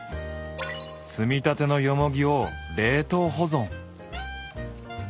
摘みたてのよもぎを冷凍保存。